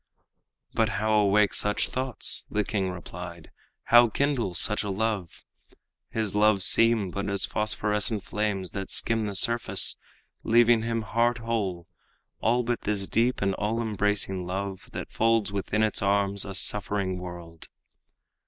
"But how awake such thoughts?" The king replied. "How kindle such a love? His loves seem but as phosphorescent flames That skim the surface, leaving him heart whole All but this deep and all embracing love That folds within its arms a suffering world."